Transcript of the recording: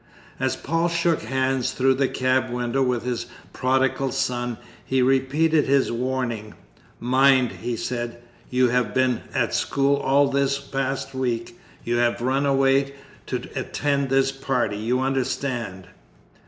As Paul shook hands through the cab window with his prodigal son, he repeated his warning. "Mind," he said, "you have been at school all this past week; you have run away to attend this party, you understand?